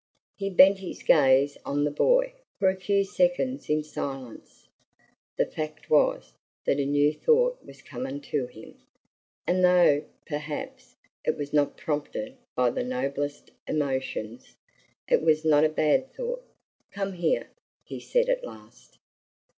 He bent his gaze on the boy for a few seconds in silence. The fact was that a new thought was coming to him, and though, perhaps, it was not prompted by the noblest emotions, it was not a bad thought. "Come here," he said, at last.